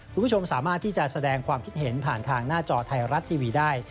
คุณผู้ชมสามารถที่จะแสดงความคิดเห็นผ่านทางหน้าจอไทยรัฐทีวีได้